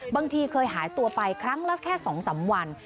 บางทีเคยหายตัวไป๒๓วัน